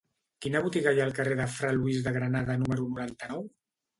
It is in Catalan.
Quina botiga hi ha al carrer de Fra Luis de Granada número noranta-nou?